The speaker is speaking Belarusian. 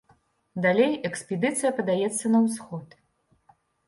Далей экспедыцыя падаецца на ўсход.